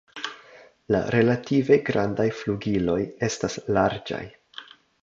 La relative grandaj flugiloj estas larĝaj.